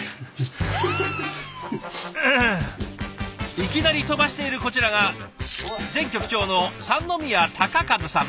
いきなり飛ばしているこちらが前局長の三宮生多さん。